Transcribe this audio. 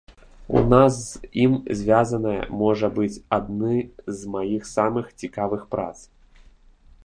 У нас з ім звязаная, можа быць, адны з маіх самых цікавых прац.